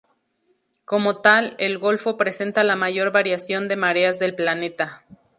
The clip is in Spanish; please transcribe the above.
Como tal, el golfo presenta la mayor variación de mareas del planeta.